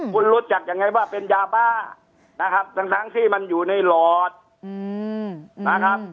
คุณรู้จักยังไงว่าเป็นยาบ้านะครับทั้งที่มันอยู่ในหลอดนะครับ